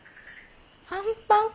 パンパン粉？